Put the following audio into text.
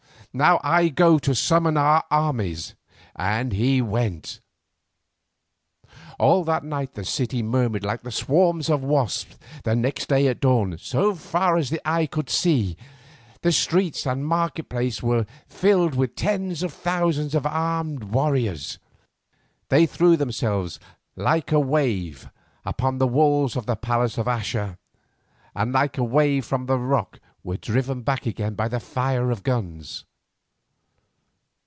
Now I go to summon our armies." And he went. All that night the city murmured like a swarm of wasps, and next day at dawn, so far as the eye could reach, the streets and market place were filled with tens of thousands of armed warriors. They threw themselves like a wave upon the walls of the palace of Axa, and like a wave from a rock they were driven back again by the fire of the guns.